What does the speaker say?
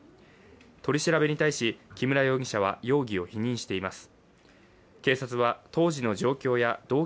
取り調べに対し木村容疑者は容疑を否認しています。